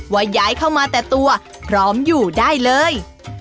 ว่าย้ายเข้ามาแต่ตัวพร้อมอยู่ได้เลย